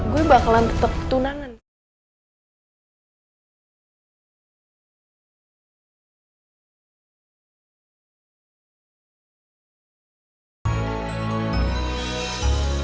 gue bakalan tetap tunangan